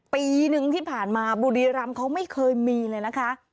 ปีหนึ่งที่ผ่านมาบุรีรำเขาไม่เคยมีเลยนะคะ